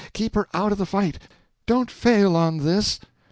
Keep her out of the fight—don't fail of this!"